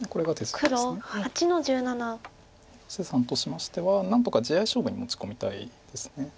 広瀬さんとしましては何とか地合い勝負に持ち込みたいです。